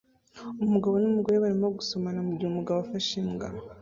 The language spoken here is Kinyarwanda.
Umugabo numugore barimo gusomana mugihe umugabo afashe imbwa